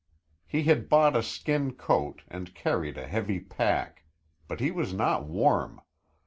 He had bought a skin coat and carried a heavy pack, but he was not warm.